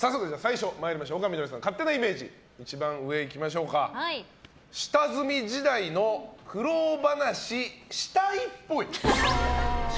丘みどりさんの勝手なイメージ一番上いきましょうか下積み時代の苦労話したいっぽい。